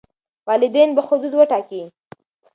والدین به حدود وټاکي.